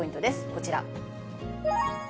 こちら。